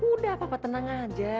udah papa tenang aja